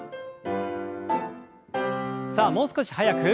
さあもう少し速く。